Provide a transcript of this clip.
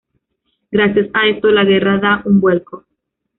Gracias a esto la guerra da un vuelco.